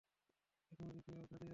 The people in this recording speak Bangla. এখন দেখি ওর দাড়িও আছে।